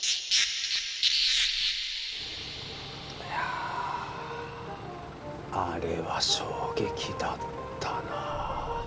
いやあれは衝撃だったなあ